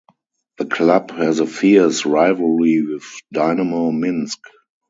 The club has a fierce rivalry with Dinamo Minsk.